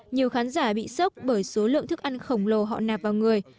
nhiều khán giả bị sốc bởi số lượng thức ăn khổng lồ họ nạp vào người